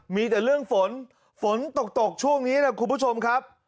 มีแต่เรื่องฝนฝนตกตกช่วงนี้นะคุณผู้ชมครับ